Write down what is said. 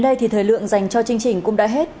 chỉ thời lượng dành cho chương trình cũng đã hết